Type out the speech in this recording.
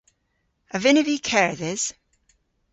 A vynnav vy kerdhes?